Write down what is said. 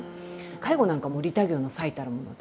介護なんかもう利他行の最たるもの。